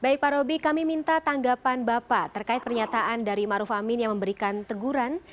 baik pak roby kami minta tanggapan bapak terkait pernyataan dari maruf amin yang memberikan teguran